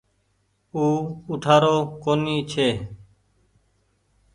او اُٺآرو ڪونيٚ ڇي۔